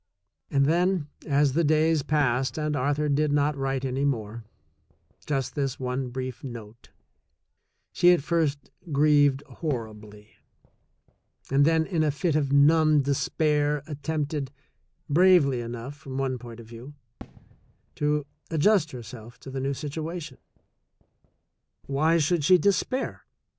And then, as the days passed and Arthur did not write any more — just this one brief note — she at first grieved horribly, and then in a fit of numb despair attempted, bravely enough from one point of view, to adjust herself to the new situation. Why should she despair?